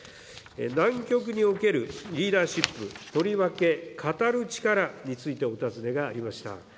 難局におけるリーダーシップ、とりわけ語る力についてお尋ねがありました。